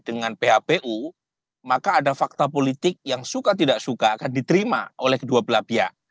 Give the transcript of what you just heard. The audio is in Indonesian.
dengan phpu maka ada fakta politik yang suka tidak suka akan diterima oleh kedua belah pihak